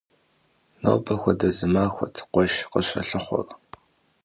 Нобэ хуэдэ зы махуэт къуэш къыщалъыхъуэр.